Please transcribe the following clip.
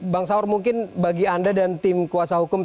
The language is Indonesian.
bang saur mungkin bagi anda dan tim kuasa hukum